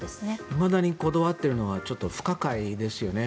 いまだにこだわっているのはちょっと不可解ですよね。